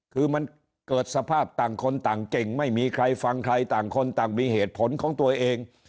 คือมันเกิดสภาพต่างคนต่างเก่งไม่มีใครฟังใครต่างคนต่างมีเหตุผลของตัวเอง